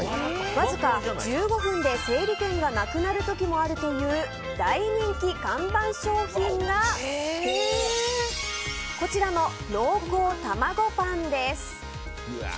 わずか１５分で整理券がなくなる時もあるという大人気看板商品がこちらの濃厚たまごパンです。